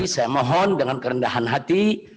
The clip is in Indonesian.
saya mohon dengan kerendahan hati